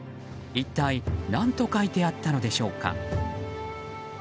一体、何と書いてあったのでしょうか。